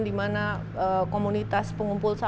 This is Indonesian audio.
dimana komunitas pengumpul sampah